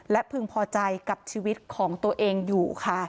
และพึงพอใจกับชีวิตของตัวเองอยู่ค่ะ